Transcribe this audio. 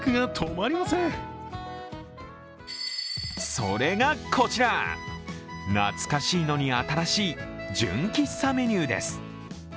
それがこちら、懐かしいのに新しい純喫茶メニューです。